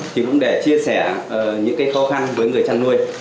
thì cũng để chia sẻ những cái khó khăn với người chăn nuôi